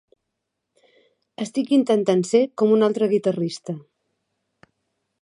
Estic intentant ser com un altre guitarrista.